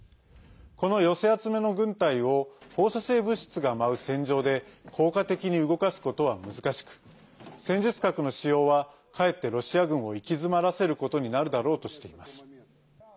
この寄せ集めの軍隊を放射性物質が舞う戦場で効果的に動かすことは難しく戦術核の使用はかえってロシア軍を行き詰まらせることになるだろうとしています。